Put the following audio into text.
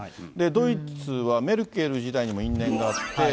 ドイツはメルケル時代にも因縁があって。